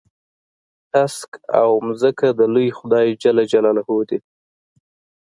هسک او ځمکه د لوی خدای جل جلاله دي.